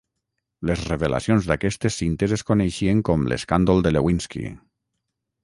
Les revelacions d'aquestes cintes es coneixien com l'escàndol de Lewinsky.